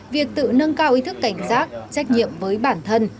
việc tự nâng cao ý thức cảnh giác trách nhiệm với bản thân